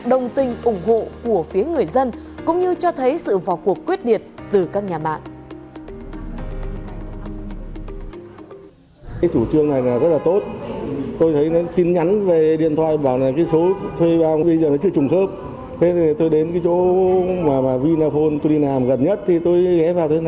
thông tin ủng hộ của phía người dân cũng như cho thấy sự vọt cuộc quyết điệt từ các nhà mạng